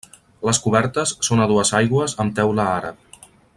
Les cobertes són a dues aigües amb teula àrab.